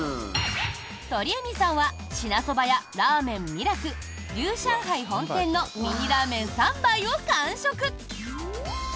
鳥海さんは、支那そばやらーめん味楽、龍上海本店のミニラーメン３杯を完食。